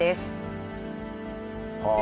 はあ。